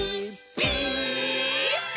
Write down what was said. ピース！」